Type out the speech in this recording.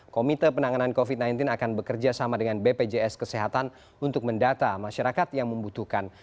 komite penanganan covid sembilan belas akan bekerja sama dengan bpjs kesehatan untuk mendata masyarakat yang membutuhkan